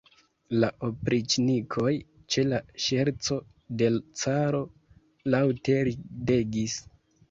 La opriĉnikoj, ĉe la ŝerco de l' caro, laŭte ridegis.